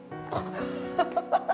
アハハハ！